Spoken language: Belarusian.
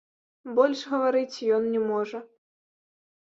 Больш гаварыць ён не можа.